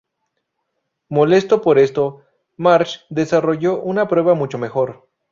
Molesto por esto, Marsh desarrolló una prueba mucho mejor.